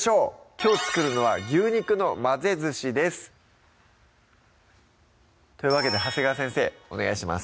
きょう作るのは「牛肉の混ぜずし」ですというわけで長谷川先生お願いします